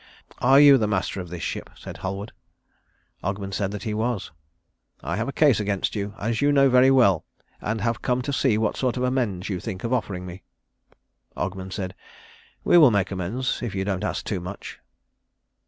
"Are you the master of this ship?" says Halward. Ogmund said that he was. "I have a case against you, as you know very well, and have come to see what sort of amends you think of offering me." Ogmund said, "We will make amends if you don't ask too much."